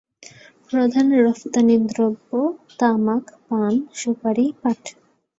প্রধান রপ্তানি দ্রব্য তামাক, পান, সুপারি, পাট।